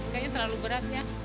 kayaknya terlalu berat ya